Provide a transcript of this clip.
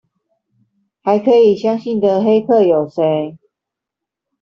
還可以相信的黑客有誰？